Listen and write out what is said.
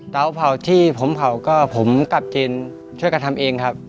เตาเผาที่ผมเผาก็ผมกับเจนช่วยกันทำเองครับ